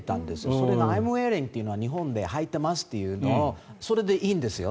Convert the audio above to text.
それがアイム・ウェアリングというのは日本語で、はいてますというのをそれでいいんですよ。